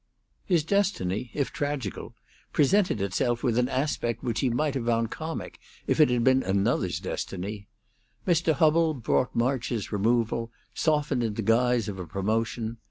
His destiny, if tragical, presented itself with an aspect which he might have found comic if it had been another's destiny. Mr. Hubbell brought March's removal, softened in the guise of a promotion.